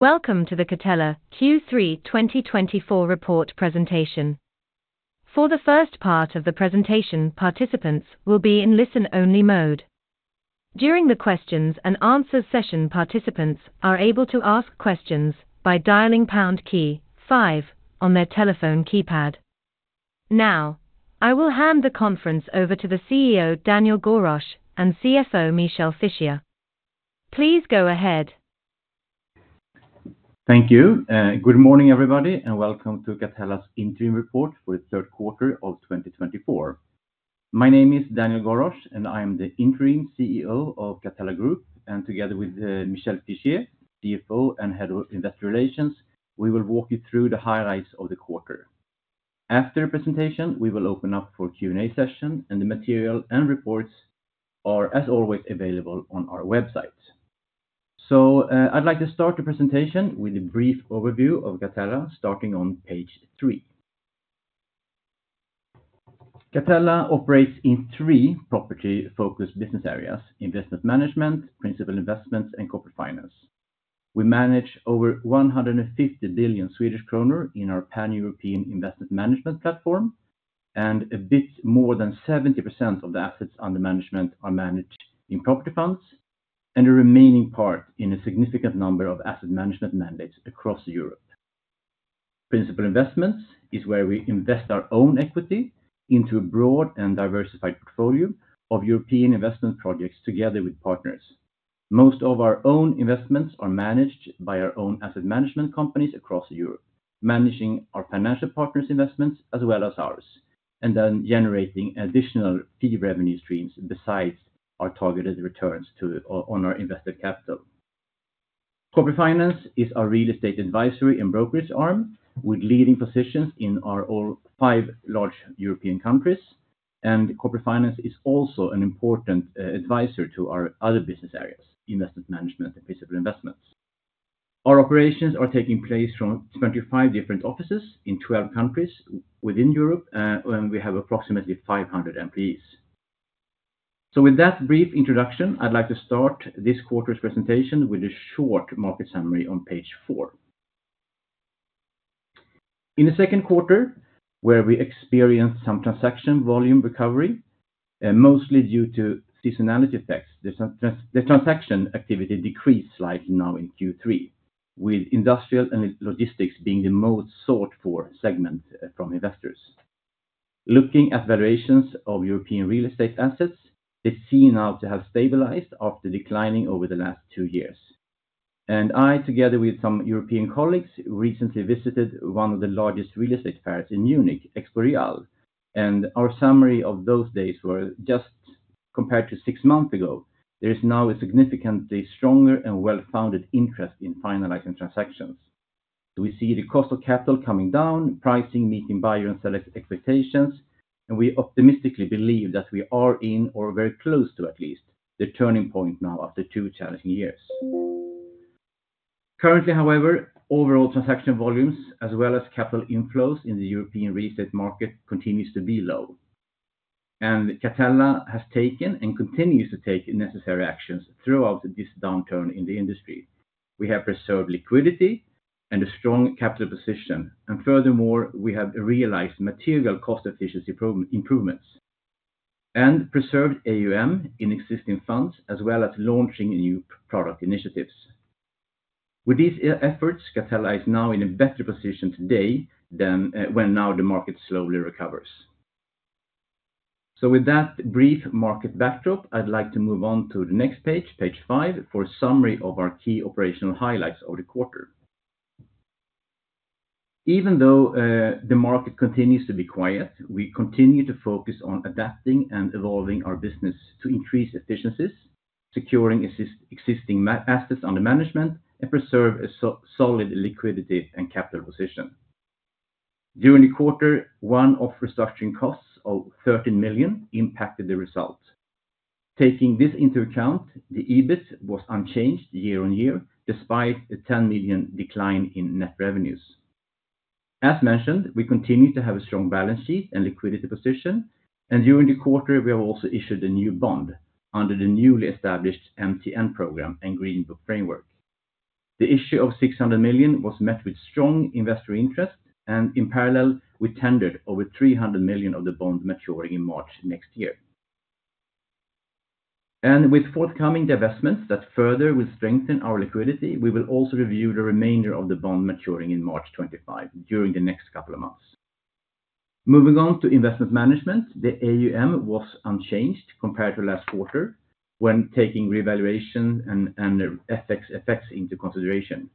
Welcome to the Catella Q3 2024 report presentation. For the first part of the presentation, participants will be in listen only mode. During the questions and answers session, participants are able to ask questions by dialing pound key five on their telephone keypad. Now I will hand the conference over to the CEO Daniel Gorosch and CFO Michel Fischier. Please go ahead. Thank you. Good morning everybody and welcome to Catella's interim report for the third quarter of 2024. My name is Daniel Gorosch and I am the Interim CEO of Catella Group and together with Michel Fischier, CFO and Head of Investor Relations, we will walk you through the highlights of the quarter. After the presentation we will open up for Q&A session and the material and reports are as always available on our website. So I'd like to start the presentation with a brief overview of Catella starting on page three. Catella operates in three property-focused business Investment Management, Principal Investments and Corporate Finance. We manage over 150 billion Swedish kronor in our pan-European Investment Management platform and a bit more than 70% of the assets under management are managed in property funds and a remaining part in a significant number of asset management mandates across Europe. Principal Investments is where we invest our own equity into a broad and diversified portfolio of European investment projects together with partners. Most of our own investments are managed by our own asset management companies across Europe, managing our financial partners' investments as well as ours and then generating additional fee revenue streams besides our targeted returns on our invested capital. Corporate Finance is our real estate advisory and brokerage arm with leading positions in all five large European countries and Corporate Finance is also an important advisor to our other business areas, Investment Management and Principal Investments. Our operations are taking place from 25 different offices in 12 countries within Europe and we have approximately 500 employees. So with that brief introduction, I'd like to start this quarter's presentation with a short market summary on page four. In the second quarter where we experienced some transaction volume recovery, mostly due to seasonality effects, the transaction activity decreased slightly now in Q3 with industrial and logistics being the most sought for segment from investors. Looking at valuations of European real estate assets, they seem now to have stabilized after declining over the last two years and I together with some European colleagues recently visited one of the largest real estate fairs in Munich, Expo Real and our summary of those days were just compared to six months ago. There is now a significantly stronger and well founded interest in finalizing transactions. We see the cost of capital coming down, pricing meeting buyer and seller expectations, and we optimistically believe that we are in or very close to at least the turning point now after two challenging years. Currently, however, overall transaction volumes as well as capital inflows in the European real estate market continues to be low, and Catella has taken and continues to take necessary actions throughout this downturn in the industry. We have preserved liquidity and a strong capital position, and furthermore we have realized material cost efficiency improvements and preserved AUM in existing funds as well as launching new product initiatives. With these efforts, Catella is now in a better position today than when now the market slowly recovers. So with that brief market backdrop, I'd like to move on to the next page, page five for summary of our key operational highlights of the quarter. Even though the market continues to be quiet, we continue to focus on adapting and evolving our business to increase efficiencies, securing existing assets under management and preserve a solid liquidity and capital position. During the quarter, one-off restructuring costs of 13 million impacted the result. Taking this into account, the EBIT was unchanged year on year despite the 10 million decline in net revenues. As mentioned, we continue to have a strong balance sheet and liquidity position and during the quarter we have also issued a new bond under the newly established MTN program and Green Bond Framework. The issue of 600 million was met with strong investor interest and in parallel we tendered over 300 million of the bond maturing in March next year and with forthcoming divestments that further will strengthen our liquidity. We will also review the remainder of the bond maturing in March 2025 during the next couple of months. Moving on to Investment Management, the AUM was unchanged compared to last quarter when taking revaluation and FX effects into consideration.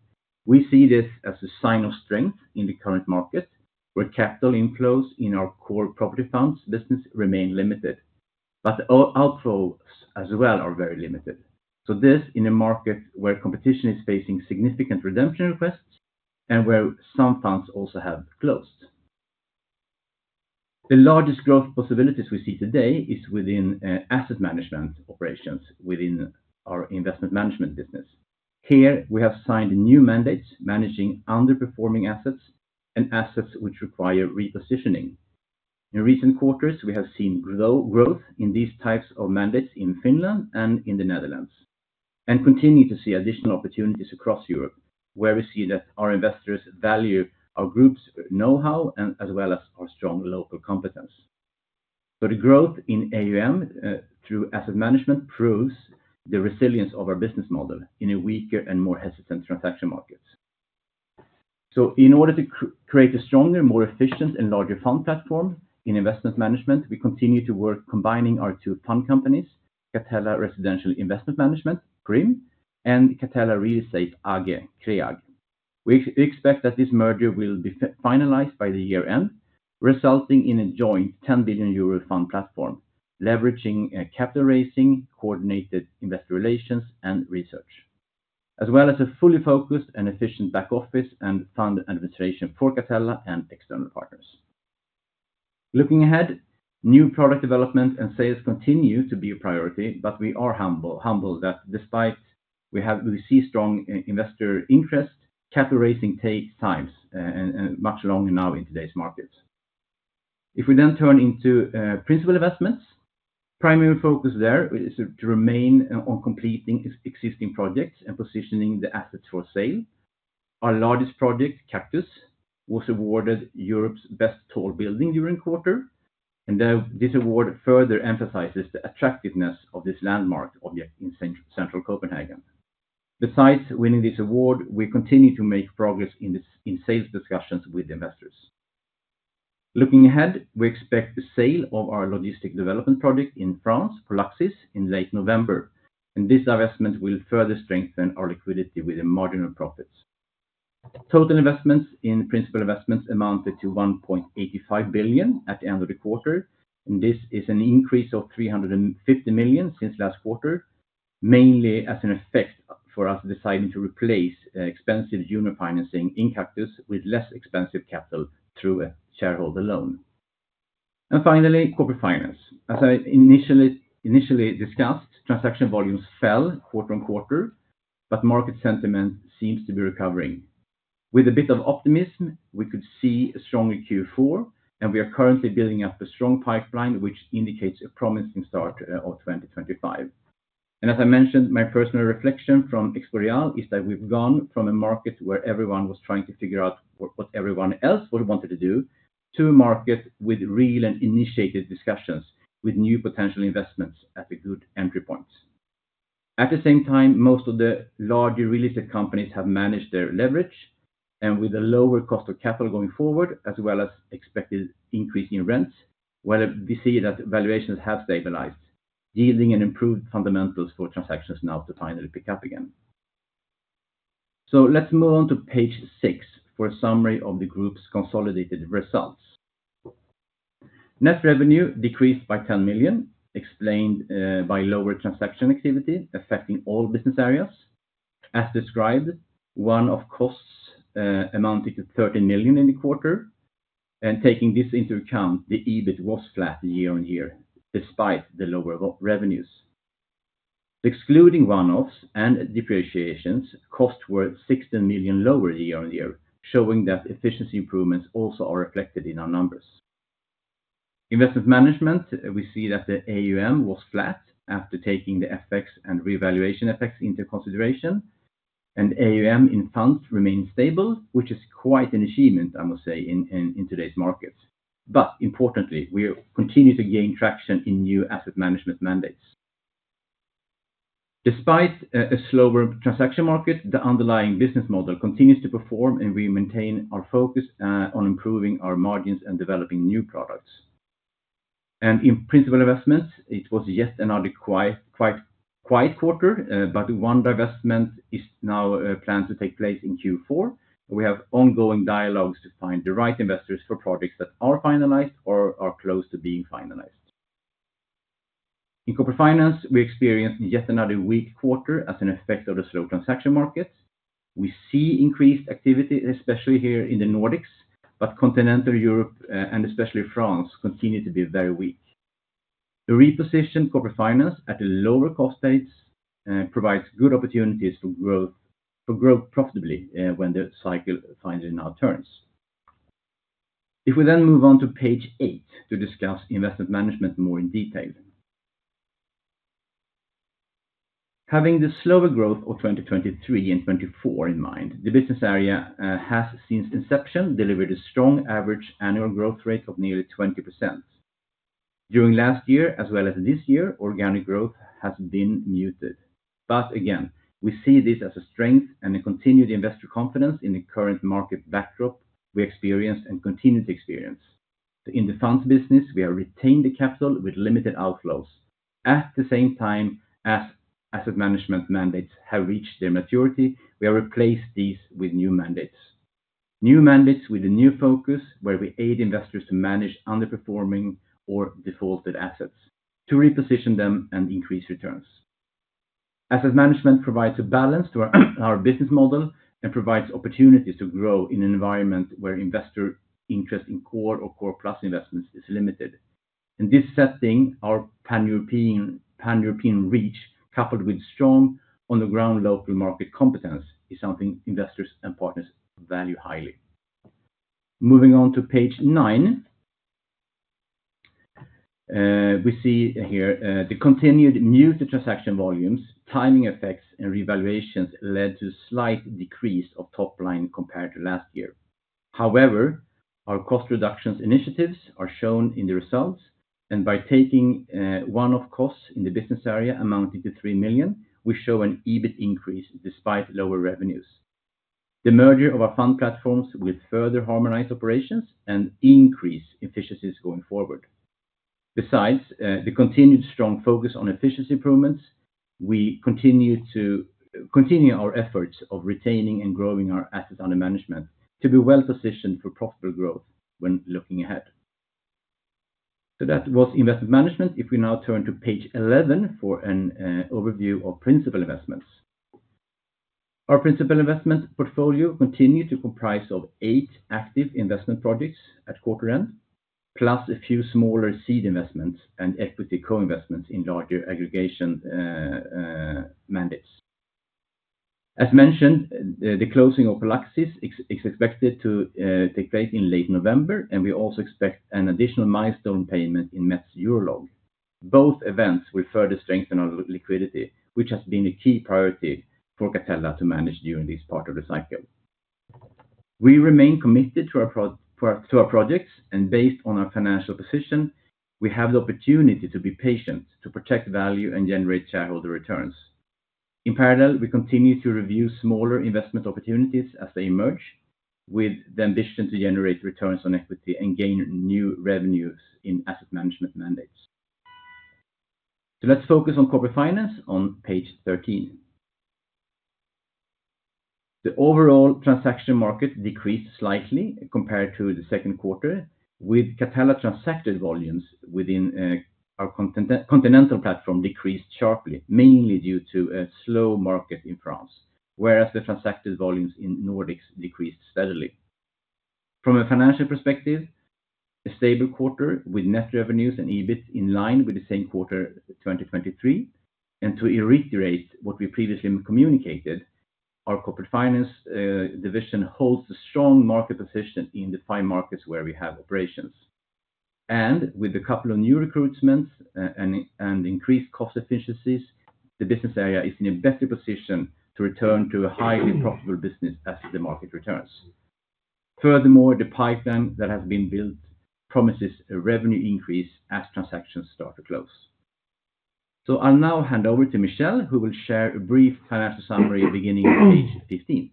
We see this as a sign of strength in the current market where capital inflows in our core property funds business remain limited, but outflows as well are very limited. So, this in a market where competition is facing significant redemption requests and where some funds also have closed the largest growth possibilities we see today is within asset management operations within our Investment Management business. Here we have signed new mandates managing underperforming assets and assets which require repositioning. In recent quarters we have seen growth in these types of mandates in Finland and in the Netherlands and continue to see additional opportunities across Europe where we see that our investors value our group's know-how and as well as our strong local competence. So the growth in AUM through asset management proves the resilience of our business model in a weaker and more hesitant transaction market. So in order to create a stronger, more efficient and larger fund platform in Investment Management, we continue to work combining our two fund Catella Residential Investment Management CRIM and Catella Real Estate AG CREAG. We expect that this merger will be finalized by the year end, resulting in a joint 10 billion euro fund platform leveraging capital raising, coordinated investor relations and research as well as a fully focused and efficient back office and fund administration for Catella and external partners. Looking ahead, new product development and sales continue to be a priority, but we are humbled that despite we have received strong investor interest, capital raising takes time much longer now in today's market. If we then turn into Principal Investments, primary focus there is to remain on completing existing projects and positioning the assets for sale. Our largest project, Kaktus, was awarded Europe's best tall building during quarter and this award further emphasizes the attractiveness of this landmark object in central Copenhagen. Besides winning this award, we continue to make progress in sales discussions with investors. Looking ahead, we expect the sale of our logistics development project in France for Polaxis in late November and this divestment will further strengthen our liquidity with a marginal profits. Total investments in Principal Investments amounted to 1.85 billion at the end of the quarter. This is an increase of 350 million since last quarter, mainly as an effect of us deciding to replace expensive junior financing in Kaktus with less expensive capital through a shareholder loan and financing Corporate Finance. As I initially discussed, transaction volumes fell quarter on quarter, but market sentiment seems to be recovering with a bit of optimism. We could see a stronger Q4 and we are currently building up a strong pipeline which indicates a promising start of 2025. As I mentioned, my personal reflection from Expo Real is that we've gone from a market where everyone was trying to figure out what everyone else would want to do, to a market with real and initiated discussions with new potential investments at the good entry points. At the same time most of the larger real estate companies have managed their leverage and with a lower cost of capital going forward as well as expected increase in rents. Well, we see that valuations have stabilized yielding improved fundamentals for transactions now to finally pick up again. So, let's move on to page six for a summary of the group's consolidated results. Net revenue decreased by 10 million explained by lower transaction activity affecting all business areas. As described, one-off costs amounted to 13 million in the quarter and taking this into account, the EBIT was flat year on year despite the lower revenues excluding one-offs and depreciations. Costs were 16 million lower year on year showing that efficiency improvements also are reflected in our numbers. Investment management we see that the AUM was flat after taking the FX and revaluation effects into consideration and AUM in funds remained stable, which is quite an achievement I must say in today's markets. But importantly, we continue to gain traction in new asset management mandates despite a slower transaction market. The underlying business model continues to perform and we maintain our focus on improving our margins and developing new products and in Principal Investments. It was yet another quiet quarter, but one divestment is now planned to take place in Q4. We have ongoing dialogues to find the right investors for projects that are finalized or are close to being finalized. In Corporate Finance we experienced yet another weak quarter as an effect of the slow transaction market. We see increased activity especially here in the Nordics, but continental Europe and especially France continue to be very weak. The repositioned Corporate Finance at the lower cost base and provides good opportunities for growth profitably when the cycle finally now turns. If we then move on to page eight to discuss Investment Management more in detail, having the slower growth of 2023 and 2024 in mind. The business area has since inception delivered a strong average annual growth rate of nearly 20%. During last year as well as this year, organic growth has been muted, but again we see this as a strength and a continued investor confidence in the current market backdrop we experience and continue to experience in the funds business. We have retained the capital with limited outflows. At the same time as asset management mandates have reached their maturity, we have replaced these with new mandates. New mandates with a new focus where we aid investors to manage underperforming or defaulted assets to reposition them and increase returns. Asset management provides a balance to our business model and provides opportunities to grow in an environment where investor interest in core or core plus investments is limited. In this setting, our pan-European reach coupled with strong on-the-ground local market competence is something investors and partners value highly. Moving on to page nine, we see here the continued muted transaction volumes, timing effects, and revaluations led to slight decrease of top line compared to last year. However, our cost reduction initiatives are shown in the results, and by taking one-off costs in the business area amounting to three million SEK we show an EBIT increase despite lower revenues. The merger of our fund platforms will further harmonize operations and increase efficiencies going forward. Besides the continued strong focus on efficiency improvements, we continue our efforts of retaining and growing our assets under management to be well positioned for profitable growth when looking ahead. So that was Investment Management. If we now turn to page 11 for an overview of Principal Investments, our principal investment portfolio continued to comprise of eight active investment projects at quarter end, plus a few smaller seed investments and equity co investments in larger aggregation mandates. As mentioned, the closing of Polaxis is expected to take place in late November and we also expect an additional milestone payment in Metz-Eurolog. Both events will further strengthen our liquidity, which has been a key priority for Catella to manage during this part of the cycle. We remain committed to our projects and based on our financial position, we have the opportunity to be patient to protect value and generate shareholder returns. In parallel, we continue to review smaller investment opportunities as they emerge, with the ambition to generate returns on equity and gain new revenues in asset management mandates. So let's focus on Corporate Finance on page 13. The overall transaction market decreased slightly compared to the second quarter with Catella. Transacted volumes within our continental platform decreased sharply, mainly due to a slow market in France, whereas the transacted volumes in Nordics decreased steadily. From a financial perspective, a stable quarter with net revenues and EBIT in line with the same quarter 2023 and to reiterate what we previously communicated, our Corporate Finance division holds a strong market position in the five markets where we have operations, and with a couple of new recruitments and increased cost efficiencies, the business area is in a better position to return to a highly profitable business as the market returns. Furthermore, the pipeline that has been built promises a revenue increase as transactions start to close. So I'll now hand over to Michel who will share a brief financial summary beginning page 15.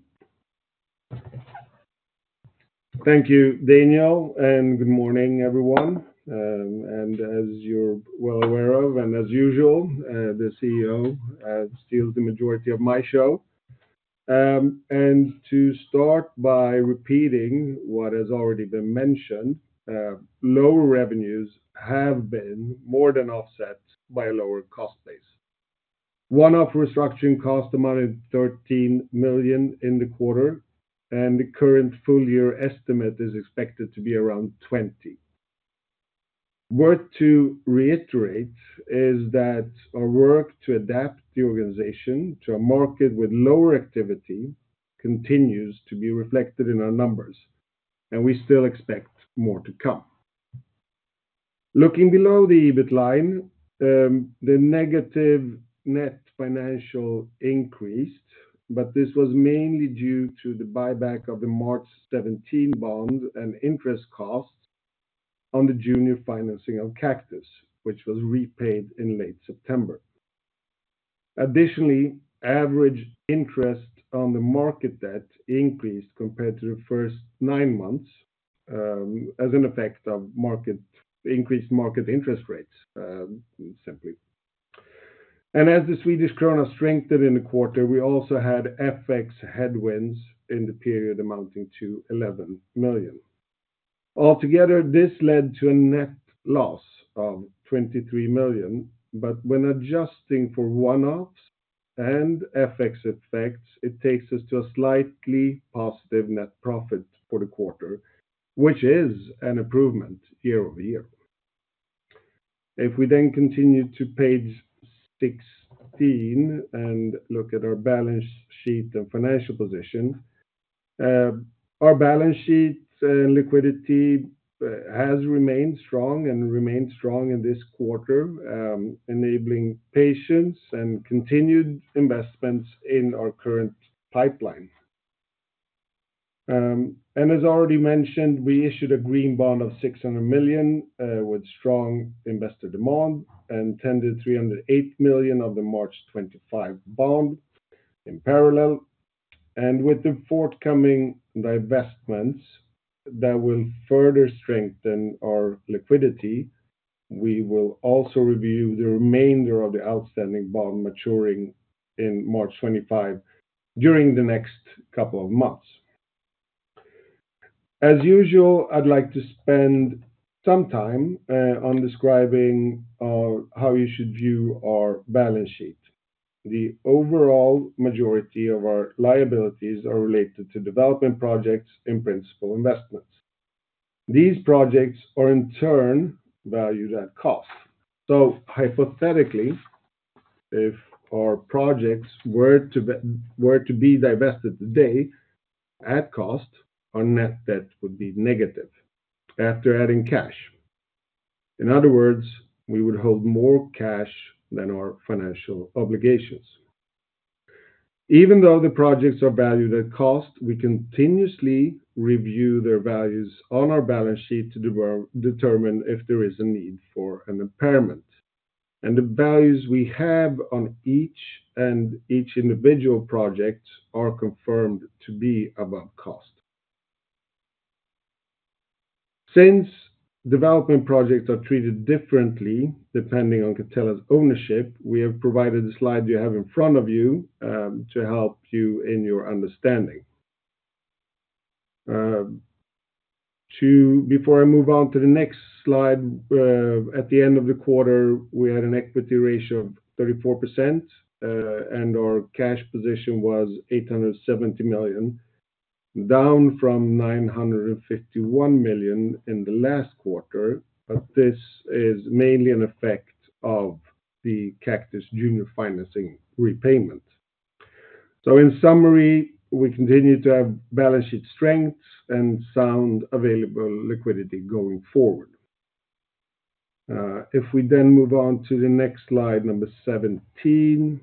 Thank you, Daniel, and good morning, everyone. As you're well aware of, and as usual, the CEO steals the majority of my show. To start by repeating what has already been mentioned, lower revenues have been more than offset by a lower cost base. One-off restructuring cost amounted to 13 million in the quarter, and the current full year estimate is expected to be around 20 million. To reiterate is that our work to adapt organization to a market with lower activity continues to be reflected in our numbers, and we still expect more to come. Looking below the EBIT line, the negative net financial items increased, but this was mainly due to the buyback of the March 2017 bond and interest costs on the junior financing of Kaktus, which was repaid in late September. Additionally, average interest on the market debt increased compared to the first nine months as an effect of increased market interest rates, simply, and as the Swedish Krona strengthened in the quarter, we also had FX headwinds in the period amounting to 11 million altogether. This led to a net loss of 23 million, but when adjusting for one-offs and FX effects, it takes us to a slightly positive net profit for the quarter, which is an improvement year-over-year. If we then continue to page 16 and look at our balance sheet and financial position, our balance sheet and liquidity has remained strong in this quarter, enabling patience and continued investments in our current pipeline. As already mentioned, we issued a green bond of 600 million with strong investor demand and tendered 308 million of the March 2025 bond in parallel, and with the forthcoming divestments that will further strengthen our liquidity. We will also review the remainder of the outstanding bond maturing in March 2025 during the next couple of months. As usual, I'd like to spend some time on describing how you should view our balance sheet. The overall majority of our liabilities are related to development projects and Principal Investments. These projects are in turn valued at cost. So hypothetically, if our projects were to be divested today at cost, our net debt would be negative after adding cash. In other words, we would hold more cash than our financial obligations. Even though the projects are valued at cost, we continuously review their values on our balance sheet to determine if there is a need for an impairment, and the values we have on each and each individual project are confirmed to be above cost. Since development projects are treated differently depending on Catella's ownership, we have provided the slide you have in front of you to help you in your understanding before I move on to the next slide. At the end of the quarter we had an equity ratio of 34% and our cash position was 870 million, down from 951 million in the last quarter. But this is mainly an effect of the Kaktus junior financing repayment. So in summary, we continue to have balance sheet strength and sound available liquidity going forward. If we then move on to the next slide. Number 17.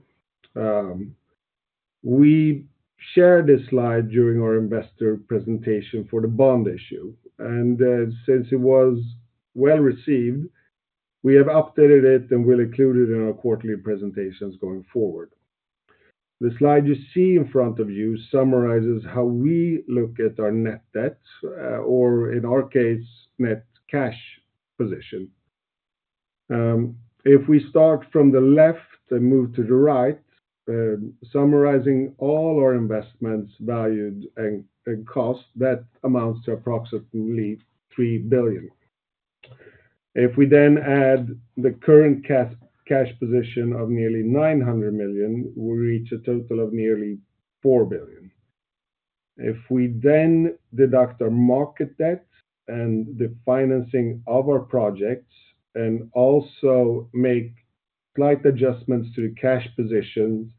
We share this slide during our investor presentation for the bond issue and since it was well received, we have updated it and will include it in our quarterly presentations going forward. The slide you see in front of you summarizes how we look at our net debt, or in our case net cash position. If we start from the left and move to the right, summarizing all our investments valued and cost, that amounts to approximately 3 billion. If we then add the current cash position of nearly 900 million, we reach a total of nearly 4 billion. If we then deduct our market debt and the financing of our projects and also make slight adjustments to the cash positions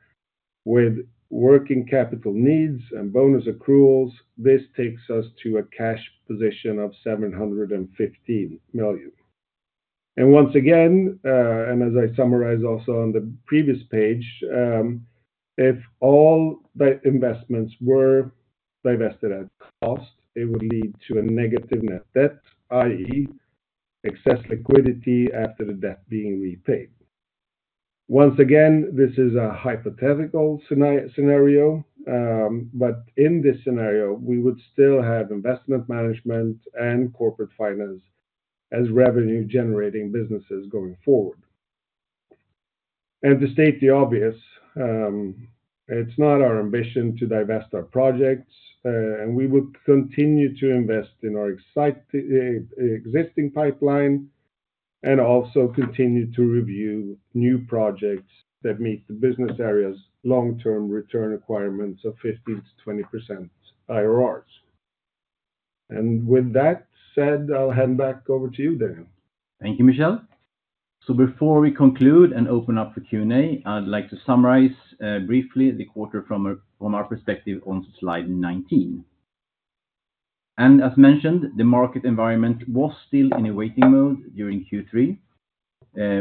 with working capital needs and bonus accruals. This takes us to a cash position of 715 million. And once again, and as I summarize also on the previous page, if all investments were divested at cost, it would lead to a negative net debt, that is excess liquidity after the debt being repaid. Once again this is a hypothetical scenario, but in this scenario we would still have Investment Management and Corporate Finance as revenue generating businesses going forward. And to state the obvious, it's not our ambition to divest our projects and we will continue to invest in our existing pipeline and also continue to review new projects that meet the business areas long term return requirements of 15%-20% IRRs. And with that said, I'll hand back over to you Daniel. Thank you, Michel. So before we conclude and open up for Q&A, I'd like to summarize briefly the quarter from our perspective on Slide 19. And as mentioned, the market environment was still in a waiting mode during Q3.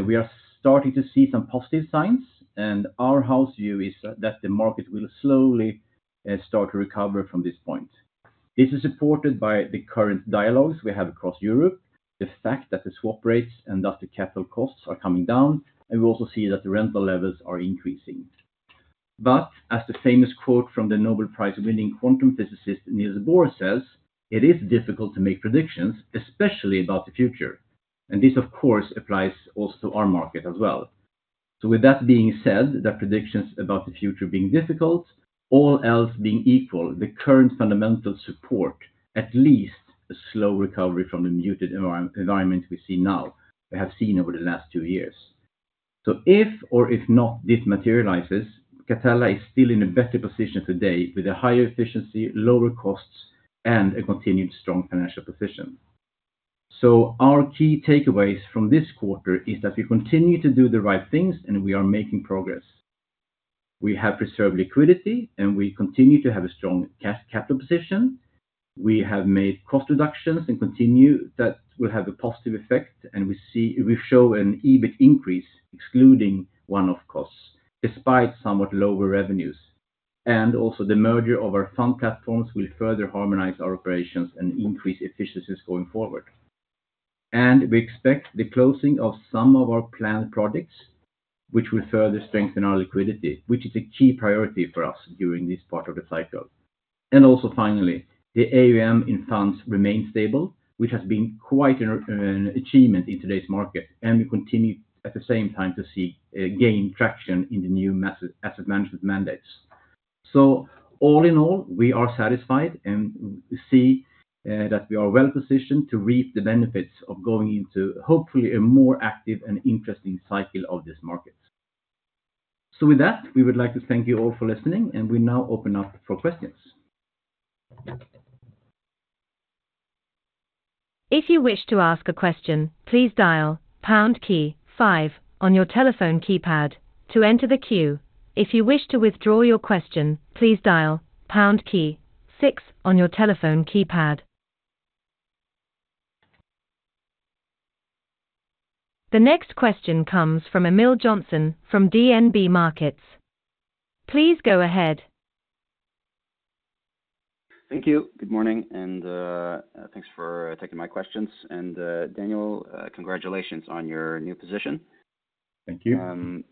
We are starting to see some positive signs and our house view is that the market will slowly start to recover from this point. This is supported by the current dialogues we have across Europe. The fact that the swap rates and that the capital costs are coming down and we also see that the rental levels are increasing. But as the famous quote from the Nobel Prize winning quantum physicist Niels Bohr says, it is difficult to make predictions, especially about the future. And this of course applies also to our market as well. So with that being said that predictions about the future being difficult, all else being equal, the current fundamentals support at least a slow recovery from the muted environment we see now we have seen over the last two years. So if or if not this materializes, Catella is still in a better position today with a higher efficiency, lower costs and a continued strong financial position. Our key takeaways from this quarter is that we continue to do the right things and we are making progress. We have preserved liquidity and we continue to have a strong capital position. We have made cost reductions and continue that will have a positive effect. And we see we show an EBIT increase excluding one-off costs despite somewhat lower revenues. And also the merger of our fund platforms will further harmonize our operations and increase efficiencies going forward. And we expect the closing of some of our planned projects which will further strengthen our liquidity, which is a key priority for us during this part of the cycle. And also finally the AUM in funds remain stable which has been quite an achievement in today's market. And we continue at the same time to see gain traction in the new asset management mandates. So all in all, we are satisfied and see that we are well positioned to reap the benefits of going into hopefully a more active and interesting cycle of this market. So with that, we would like to thank you all for listening and we now open up for questions. If you wish to ask a question, please dial pound key five on your telephone keypad to enter the queue. If you wish to withdraw your question, please dial pound key six on your telephone keypad. The next question comes from Emil Jonsson from DNB Markets. Please go ahead. Thank you. Good morning, and thanks for taking my questions. Daniel, congratulations on your new position. Thank you.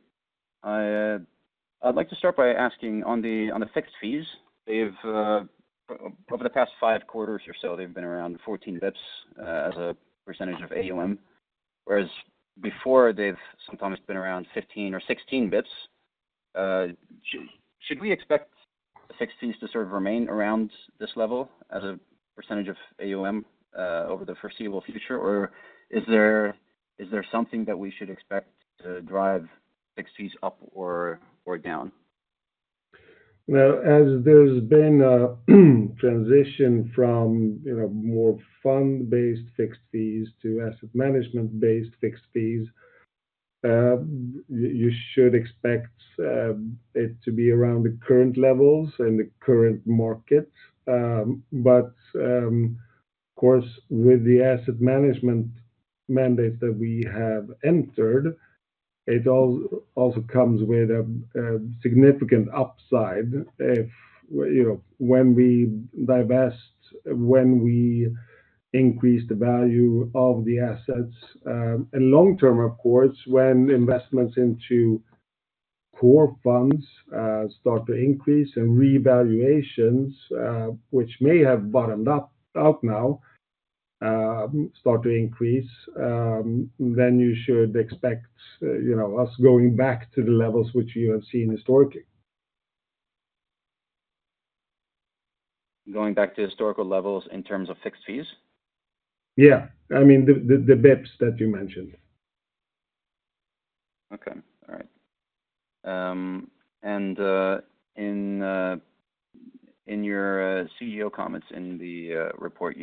I'd like to start by asking on the fixed fees. They've over the past five quarters or so been around 14 basis points as a percentage of AUM, whereas before they've sometimes been around 15 or 16 basis points. Should we expect fixed fees to sort of remain around this level as a percentage of AUM over the foreseeable future, or is there something that we should expect to drive fixed fees up or down? Now, as there's been a transition from more fund based fixed fees to asset management based fixed fees, you should expect it to be around the current levels and the current market. But of course, with the asset management mandates that we have entered, it also comes with a significant upside. When we divest, when we increase the value of the assets. And long term, of course, when investments into core funds start to increase and revaluations which may have bottomed out now start to increase, then you should expect, you know, us going back to the levels which you have seen historically. Going back to historical levels in terms of fixed fees. Yeah. I mean, the bips that you mentioned. Okay. All right. In your CEO comments in the report,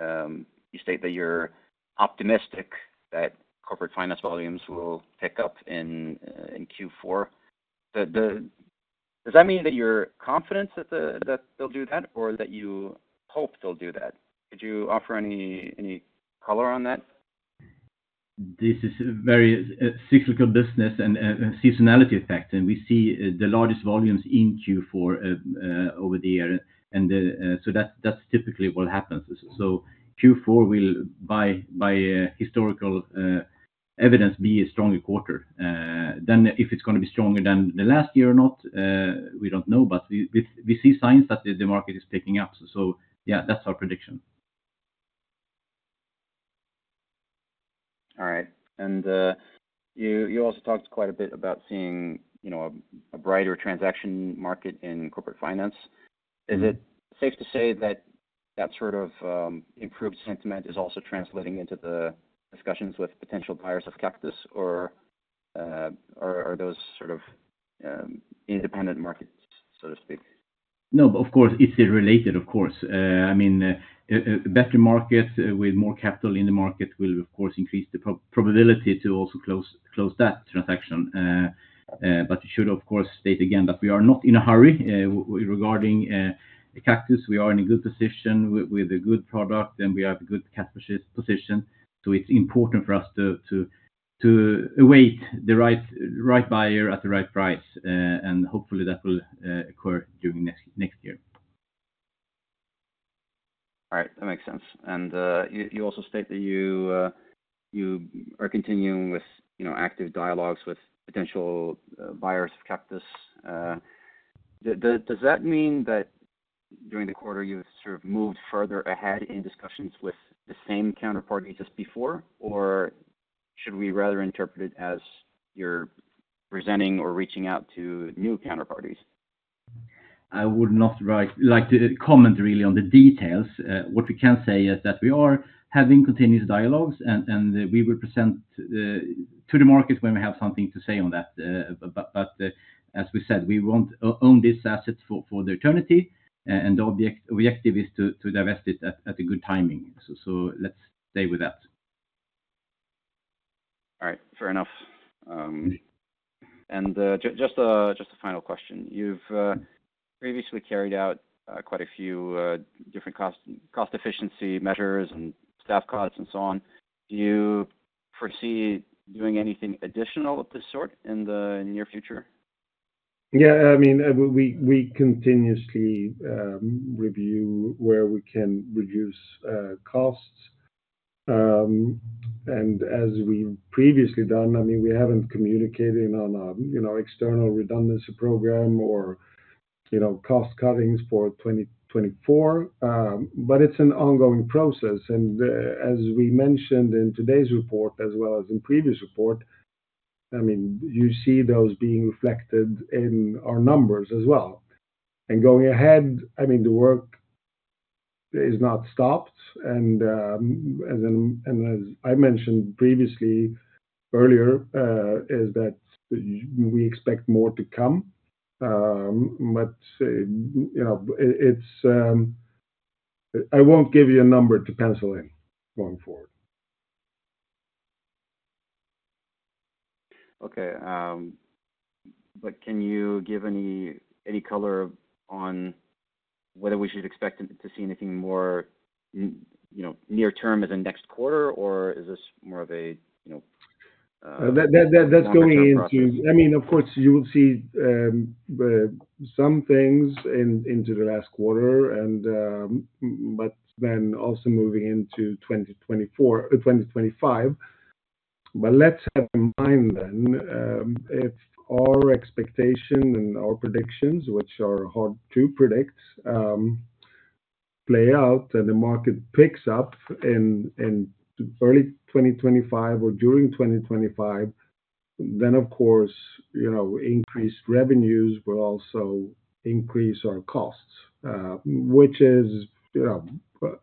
you state that you're optimistic that Corporate Finance volumes will pick up in Q4. Does that mean that you're confident that? They'll do that or that you hope they'll do that? Could you offer any color on that? This is very cyclical business and seasonality effect, and we see the largest volumes in Q4 over the year, and so that's typically what happens, so Q4 will, by historical evidence, be a stronger quarter than if it's going to be stronger than the last year or not. We don't know, but we see signs that the market is picking up, so yeah, that's our prediction. All right. And you also talked quite a bit about seeing a brighter transaction market in Corporate Finance. Is it safe to say that that sort of improved sentiment is also translating into the discussions with potential buyers of Kaktus, or are those sort of independent? Markets, so to speak? No, of course, it's related, of course. I mean, battery markets with more capital in the market will of course increase the probability to also close that transaction. But you should of course state again that we are not in a hurry regarding Kaktus. We are in a good position with a good product and we have a good CAT position. So it's important for us to await the right buyer at the right price, and hopefully that will occur during next year. All right, that makes sense. And you also state that you are continuing with active dialogues with potential buyers of Kaktus. Does that mean that during the quarter? You sort of moved further ahead in. Discussions with the same counterparties as before, or should we rather interpret it as you're presenting or reaching out to new counterparties? I would not like to comment really on the details. What we can say is that we are having continuous dialogues and we will present to the market when we have something to say on that. But as we said, we won't own this asset for the eternity and the objective is to divest it at a good timing. So let's stay with that. All right, fair enough. And just a final question. You've previously carried out quite a few different cost efficiency measures and staff costs and so on. Do you foresee doing anything additional of this sort in the near future? Yeah, I mean, we continuously review where we can reduce costs. And as we previously done, I mean, we haven't communicated on, you know, external redundancy program or, you know, cost cuttings for 2024, but it's an ongoing process. And as we mentioned in today's report as well as in previous report, I mean, you see those being reflected in our numbers as well and going ahead. I mean, the work is not stopped. And as I mentioned previously earlier, is that we expect more to come, but, you know, it's. I won't give you a number to pencil in going forward. Okay. But can you give any color on whether we should expect to see anything more, you know, near term as a next quarter? Or is this more of a, you. No That's going into. I mean, of course you will see some things into the last quarter and, but then also moving into 2024, 2025, but let's have in mind, then, it's our expectation and our predictions, which are hard to predict, play out and the market picks up in early 2025 or during 2025, then of course, you know, increased revenues will also increase our costs, which is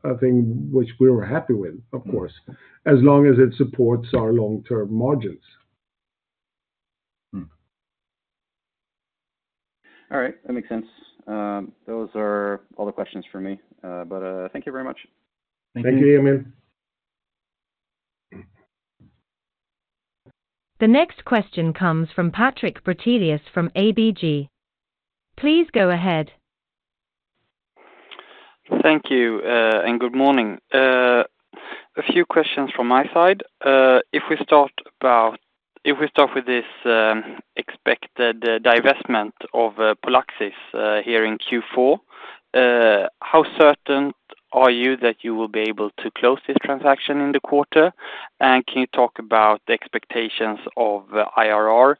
a thing which we were happy with, of course, as long as it supports our long-term margins. All right, that makes sense. Those are all the questions for me, but thank you very much. Thank you, Emil. The next question comes from Patrik Brattelius from ABG. Please go ahead. Thank you and good morning. A few questions from my side. If we start with this expected divestment of Polaxis here in Q4, how certain are you that you will be able to close this transaction in the quarter? And can you talk about the expectations of IRR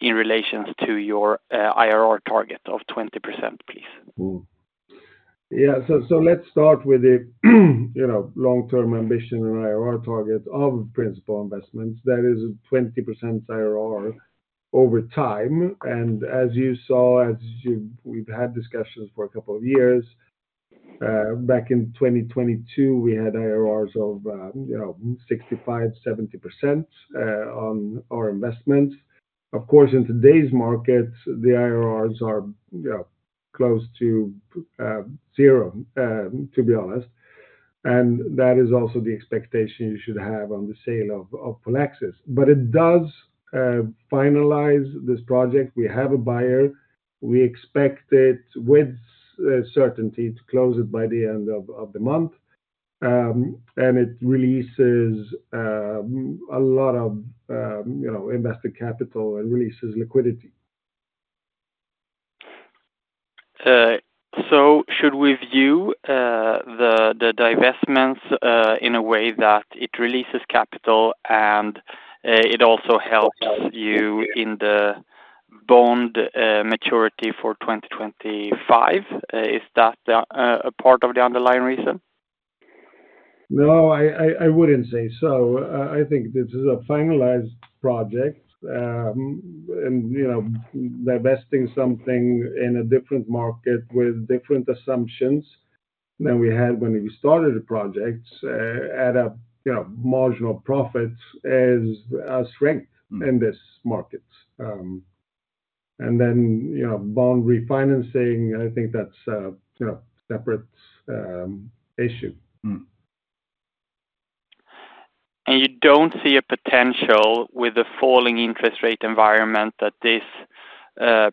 in relation to your IRR target of 20%, please? Yeah. Let's start with the, you know, long term ambition and IRR target of Principal Investments. That is 20% IRR over time. And as you saw, we've had discussions for a couple of years, back in 2022, we had IRRs of, you know, 65%-70% on our investments. Of course, in today's market the IRRs are, you know, close to zero, to be honest. And that is also the expectation you should have on the sale of Polaxis. But it does finalize this project. We have a buyer, we expect it with certainty to close it by the end of the month. And it releases a lot of, you know, invested capital and releases liquidity. So should we view the divestments in a way that it releases capital and it also helps you in the bond maturity for 2025? Is that a part of the underlying reason? No, I wouldn't say so. I think this is a finalized program project and, you know, divesting something in a different market with different assumptions than we had when we started the projects at a, you know, marginal profit is a strength in this market. And then, you know, bond refinancing, I think that's, you know, separate issue. You don't see a potential with the falling interest rate environment that this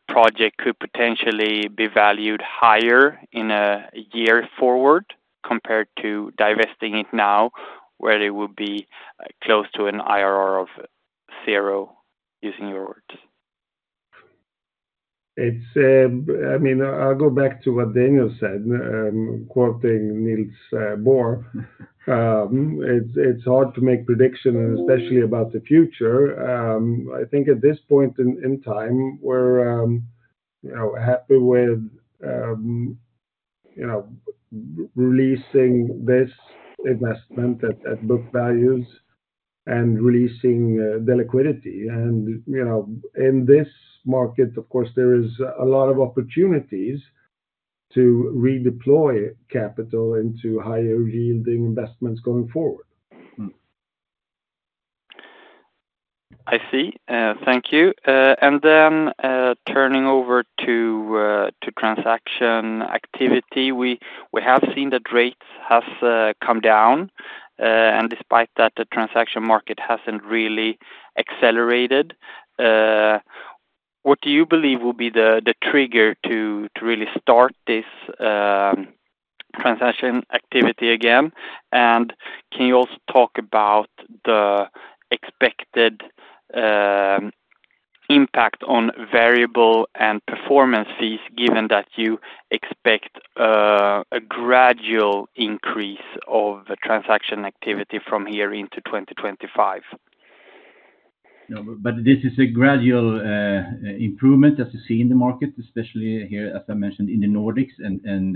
project could potentially be valued higher in a year forward compared to divesting it now where it would be close to an IRR of zero, using your words. I mean, I'll go back to what Daniel said, quoting Niels Bohr. It's hard to make prediction, especially about the future. I think at this point in time we're happy with releasing this investment at book values and releasing the liquidity. And in this market, of course, there is a lot of opportunities to redeploy capital into higher yielding investments going forward. I see, thank you. And then turning over to transaction activity, we have seen that rate has come down. And despite that, the transaction market hasn't really accelerated. What do you believe will be the trigger to really start this transaction activity again? And can you also talk about the expected impact on variable and performance fees given that you expect a gradual increase of transaction activity from here into 2025. But this is a gradual improvement as you see in the market, especially here as I mentioned in the Nordics, and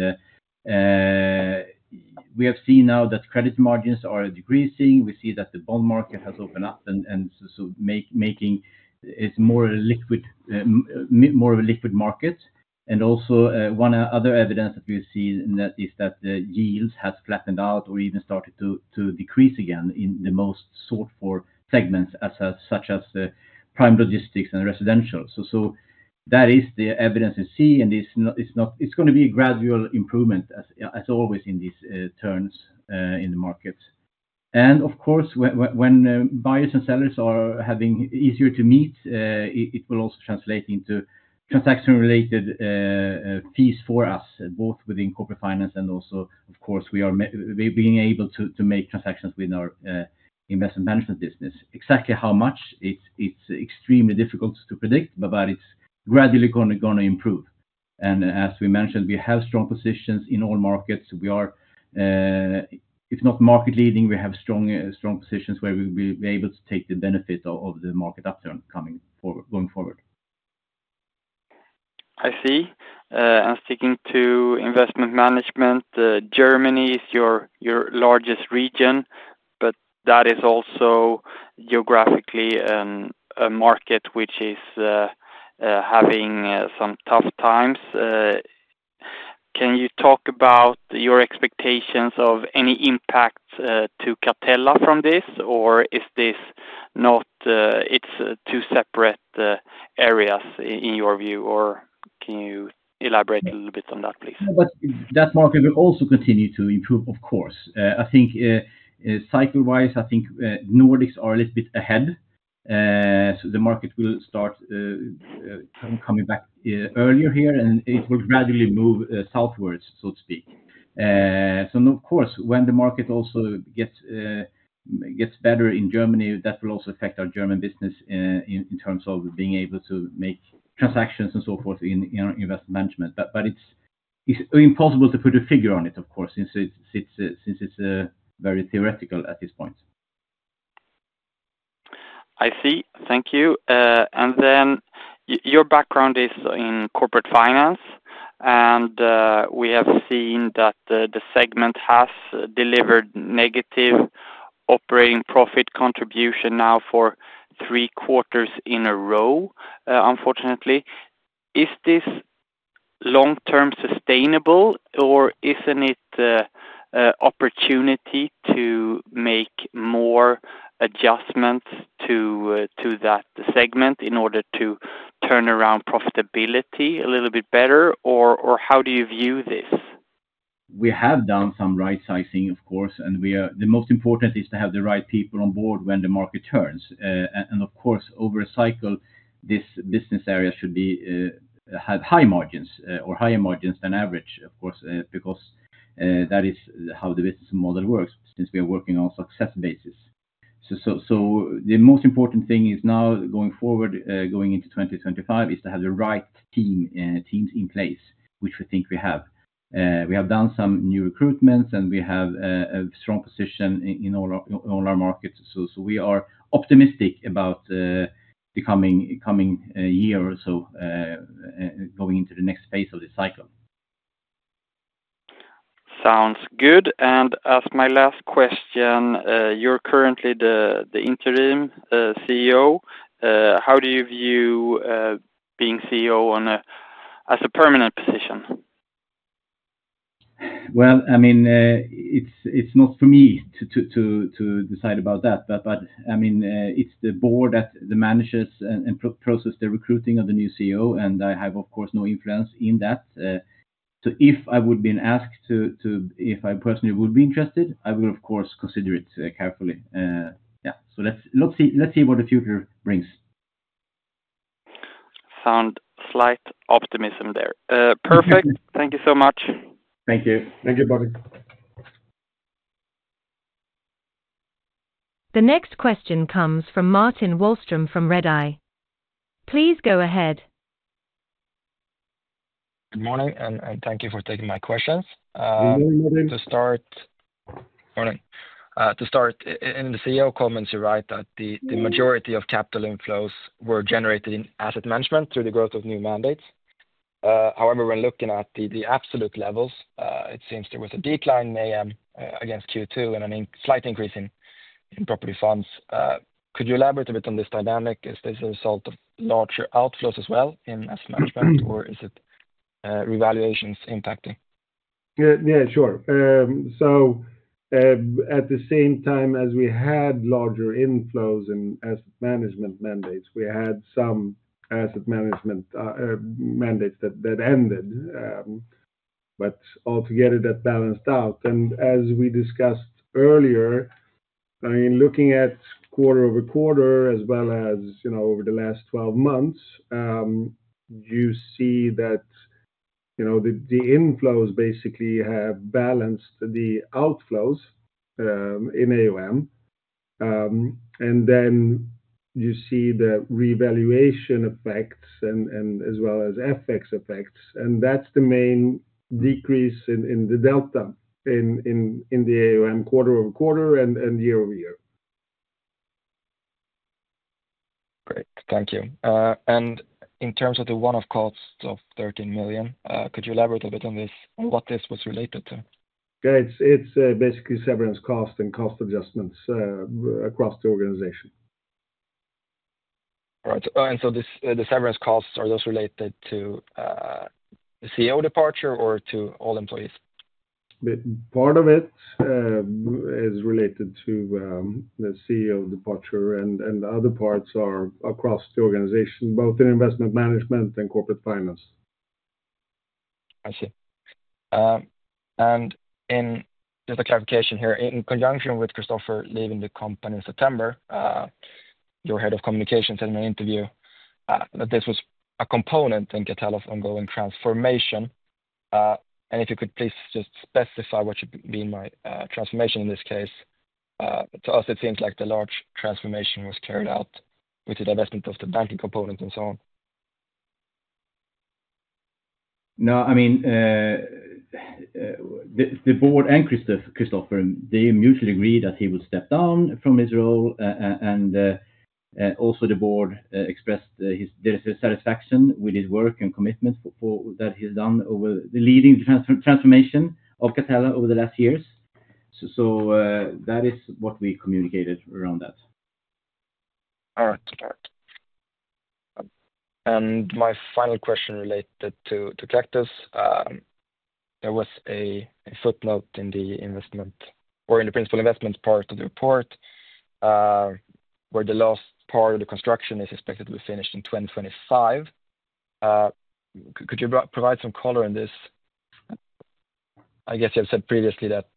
we have seen now that credit margins are decreasing. We see that the bond market has opened up, and so making it more liquid, more of a liquid market. And also one other evidence that we've seen that is that the yields has flattened out or even started to decrease again in the most sought for segments such as prime logistics and residential. So that is the evidence you see. And it's going to be a gradual improvement as always in these turns in the market. And of course when buyers and sellers are having easier to meet, it will also translate into transaction-related fees for us both within Corporate Finance and also of course we are being able to make transactions within our Investment Management business. Exactly how much? It's extremely difficult to predict, but it's gradually going to improve. And as we mentioned, we have strong positions in all markets. We are, if not market leading. We have strong positions where we will be able to take the benefit of the market upturn coming forward. I see. And sticking to Investment Management, Germany is your largest region, but that is also geographically a market which is having some tough times. Can you talk about your expectations of any impact to Catella from this or is this not? It's two separate areas in your view or can you elaborate a little bit on that, please? But that market will also continue to improve, of course. I think cycle wise, I think Nordics are a little bit ahead. So the market will start coming back earlier here and it will gradually move southwards, so to speak. So of course when the market also gets better in Germany, that will also affect our German business in terms of being able to make transactions and so forth in Investment Management. But it's impossible to put a figure on it of course, since it's very theoretical at this point. I see, thank you. And then your background is in Corporate Finance and we have seen that the segment has delivered negative operating profit contribution now for three quarters in a row, unfortunately. Is this long term sustainable or isn't it opportunity to make more adjustments to that segment in order to turn around profitability a little bit better? Or how do you view this? We have done some right sizing, of course, and the most important is to have the right people on board when the market turns. And of course, of course over a cycle, this business area should be have high margins or higher margins than average, of course, because that is how the business model works since we are working on success basis. So the most important thing is now going forward going into 2025 is to have the right team, teams in place, which we think we have. We have done some new recruitments and we have a strong position in all our markets. So we are optimistic about the coming year or so going into the next phase of the cycle. Sounds good. And as my last question, you're currently the interim CEO. How do you view being CEO as a permanent position? I mean, it's not for me to decide about that, but I mean it's the board that manages and processes the recruiting of the new CEO. And I have of course no influence in that. So if I would be asked to, if I personally would be interested, I will of course consider it carefully. Yeah, so let's see what the future brings. Found slight optimism there. Perfect. Thank you so much. Thank you. Thank you, buddy. The next question comes from Martin Wahlström from Redeye. Please go ahead. Good morning and thank you for taking my questions to start. In the CEO comments you write that the majority of capital inflows were generated in asset management through the growth of new mandates. However, when looking at the absolute levels, it seems there was a decline in AM against Q2 and I mean slight increase in property funds. Could you elaborate a bit on this dynamic? Is this a result of larger outflows as well in asset management or is it revaluations impacting? Yeah, sure. So at the same time as we had larger inflows in asset management mandates, we had some asset management mandates that ended, but altogether that balanced out. And as we discussed earlier, I mean looking at quarter over quarter as well as, you know, over the last 12 months, you see that, you know, the inflows basically have balanced the outflows in AUM and then you see the revaluation effects as well as FX effects. And that's the main decrease in the delta in the AUM quarter over quarter and year-over-year. Great, thank you. In terms of the one-off cost of 13 million, could you elaborate a bit on this? What this was related to? Yeah, it's basically severance cost and cost adjustments across the organization. Right. And so the severance costs are those related to the CEO departure or to all employees? Part of it is related to the CEO departure and other parts are across the organization, both in Investment Management and Corporate Finance. I see. In just a clarification here, in conjunction with Christoffer leaving the company in September, your head of communication said in an interview that this was a component in Catella's ongoing transformation. If you could please just specify what should mean my transformation in this case. To us, it seems like the large transformation was carried out with the divestment of the banking components and so on. No, I mean the board and Christoffer, they mutually agree that he will step down from his role. The board also expressed its satisfaction with his work and commitment that he's done in leading the transformation of Catella over the last years. That is what we communicated around that. All right. My final question related to Kaktus. There was a footnote in the investment or in the principal investment part of. The report. Where the last part of the construction is expected to be finished in 2025. Could you provide some color on this? I guess you have said previously that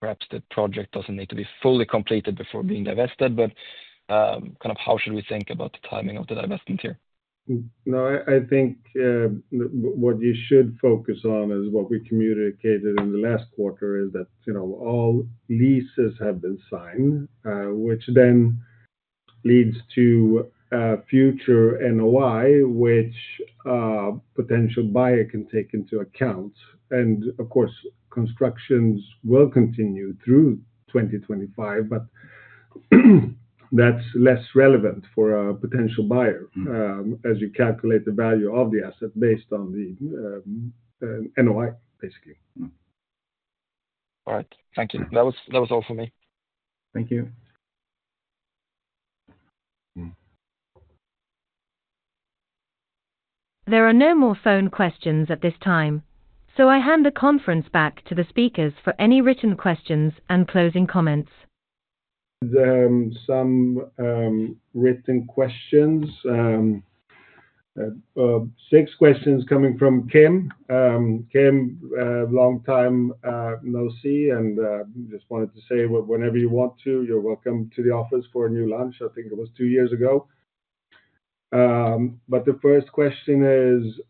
perhaps the project doesn't need to be fully completed before being divested, but kind of how should we think about the timing of the divestment here? No, I think what you should focus on is what we communicated in the last quarter: that all leases have been signed, which then leads to future NOI, which a potential buyer can take into account. And of course, constructions will continue through 2025, but that's less relevant for a potential buyer as you calculate the value of the asset based on the NOI, basically. All right, thank you. That was. That was all for me. Thank you. There are no more phone questions at this time, so I hand the conference back to the speakers for any written questions and closing comments. Some written questions. Six questions coming from Kim. Kim, long time no see and just wanted to say whenever you want to, you're welcome to the office for a new lunch. I think it was two years ago. But the first question is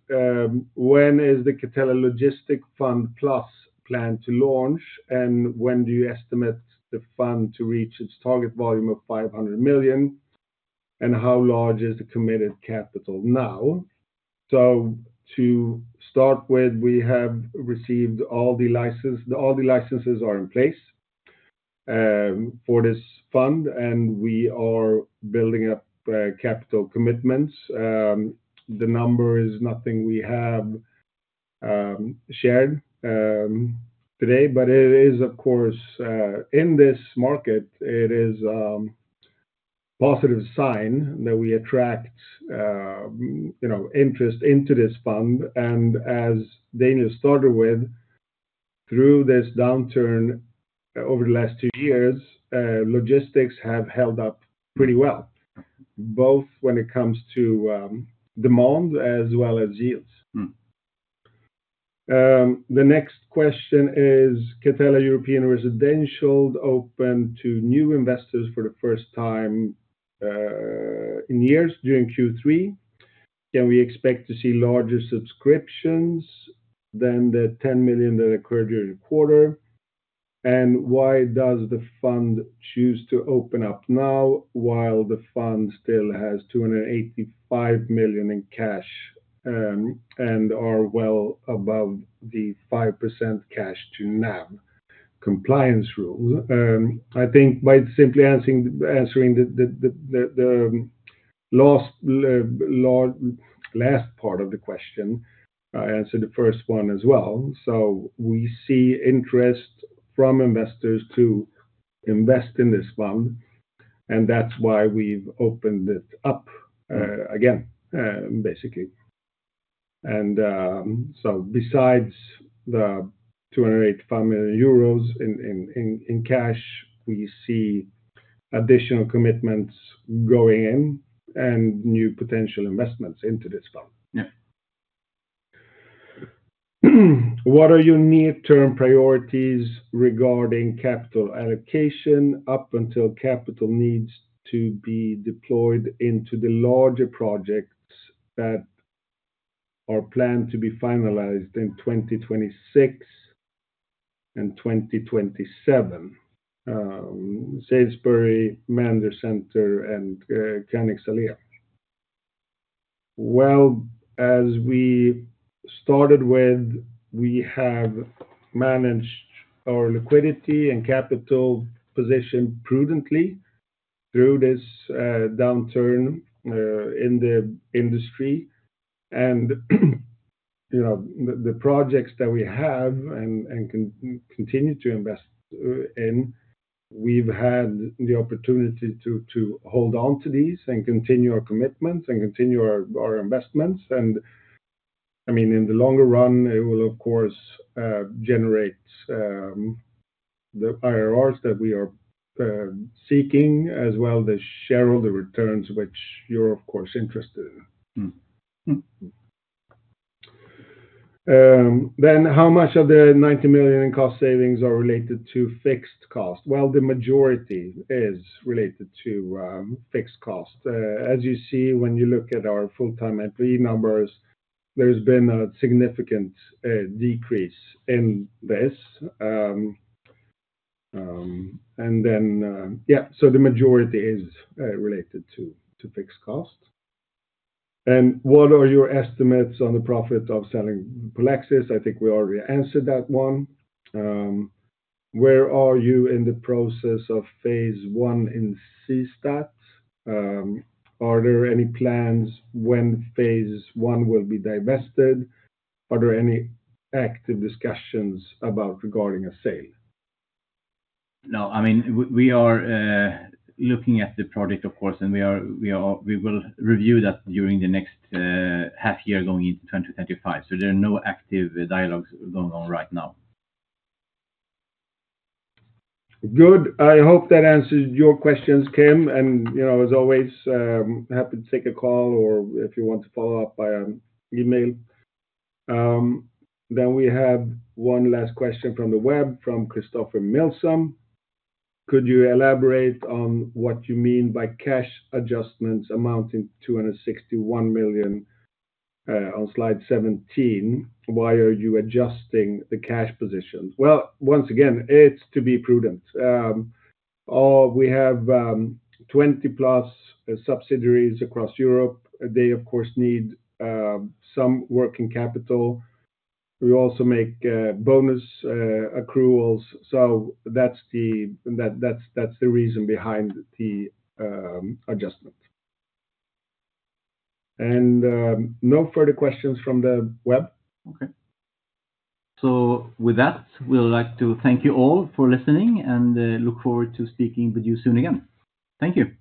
when is the Catella Logistic Fund Plus plan to launch? And when do you estimate the fund to reach its target volume of 500 million? And how large is the committed capital now? So to start with, we have received all the license, all the licenses are in place for this fund and we are building up capital commitments. The number is nothing we have shared today, but it is of course in this market. It is positive sign that we attract, you know, interest into this fund. As Daniel started with through this downturn over the last two years, logistics have held up pretty well both when it comes to demand as well as yields. The next question is Catella European Residential open to new investors for the first time in years during Q3, can we expect to see larger subscriptions than the 10 million that occurred during the quarter? And why does the fund choose to open up now while the fund still has 285 million in cash and are well above the 5% cash to NAV compliance rules? I think by simply answering the last part of the question answered the first one as well. We see interest from investors to invest in this fund and that's why we've opened it up again, basically. So besides the 285 million euros in cash, we see additional commitments going in and new potential investments into this fund. What are your near-term priorities regarding capital allocation up until capital needs to be deployed into the larger projects that are planned to be finalized in 2026 and 2027? Salisbury, Mander Centre, and Königsallee. Well, as we started with, we have managed our liquidity and capital position prudently through this downturn in the industry. And you know, the projects that we have and can continue to invest in, we've had the opportunity to hold on to these and continue our commitments and continue our investments. And I mean in the longer run it will of course generate the IRRs that we are seeking as well. The shareholder returns which you're of course interested in. How much of the 90 million in cost savings are related to fixed cost? Well, the majority is related to fixed cost. As you see when you look at our full-time employee numbers, there's been a significant decrease in this and then. Yeah, so the majority is related to fixed cost. And what are your estimates on the profit of selling Polaxis? I think we already answered that one. Where are you in the process of phase one in Seestadt? Are there any plans when phase I will be divested? Are there any active discussions regarding a sale? No, I mean we are looking at the project of course and we will review that during the next half year going into 2025. So there are no active dialogues going on right now. Good. I hope that answers your questions, Kim. You know, as always, happy to take a call or if you want to follow up by email. We have one last question from the web from Christopher Milsom. Could you elaborate on what you mean by cash adjustments amounting to 261 million on slide 17? Why are you adjusting the cash positions? Once again it's to be prudent. We have 20+ subsidiaries across Europe. They of course need some working capital. We also make bonus accruals so that's the reason behind the adjustment. No further questions from the web. Okay. With that, we'd like to thank you all for listening and look forward to speaking with you soon again. Thank you.